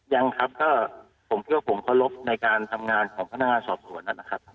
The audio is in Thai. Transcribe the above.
ยังครับเพราะผมเกี่ยวผมก็ลบในการทำงานของพนักงานสอบส่วนนั้นนะครับ